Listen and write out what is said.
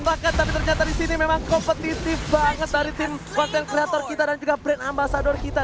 rata banget tapi ternyata disini memang kompetitif banget dari tim content creator kita dan juga brand ambassador kita